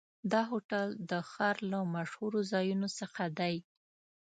دا هوټل د ښار له مشهورو ځایونو څخه دی.